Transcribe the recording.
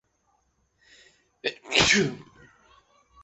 现在英国航太系统还在这里有两座造船厂。